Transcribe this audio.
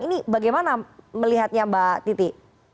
ini bagaimana melihatnya mbak titi